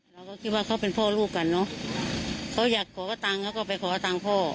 บางครั้งเขาก็เมาบางครั้งเขาก็ไม่เมา